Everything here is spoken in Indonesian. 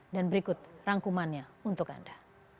dan berikut rangkumannya untuk anda